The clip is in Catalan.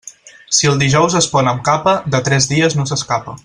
Si el dijous es pon amb capa, de tres dies no s'escapa.